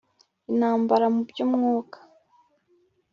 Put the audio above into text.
intambara mu byumwuka